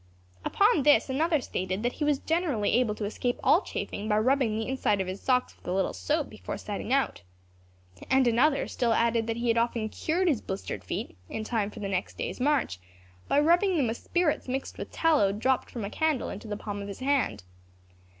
Upon this another stated that he was generally able to escape all chafing by rubbing the inside of his socks with a little soap before setting out. And another still added that he had often cured his blistered feet, in time for the next day's march, by rubbing them with spirits mixed with tallow dropped from a candle into the palm of his hand.